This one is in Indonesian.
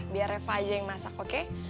biar reva aja yang masak oke